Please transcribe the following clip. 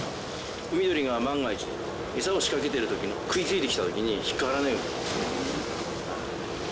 海鳥が万が一餌を仕掛けている時に食いついてきた時に引っかからないように。